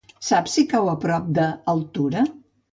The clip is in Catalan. Saps si cau a prop d'Altura?